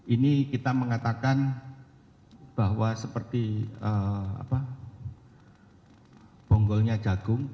ini kita mengatakan bahwa seperti bonggolnya jagung